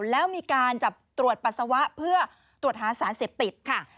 แล้วมีการจับตรวจปัสสาวะเพื่อตรวจหาสารเสพติดค่ะ